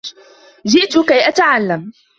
جِئْتِ كَيْ أَتَعَلَّمَ.